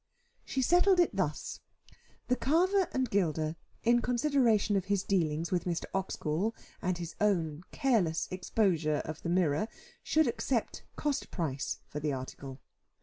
She settled it thus: the carver and gilder, in consideration of his dealings with Mr. Oxgall and his own "careless exposure" of the mirror, should accept cost price for the article.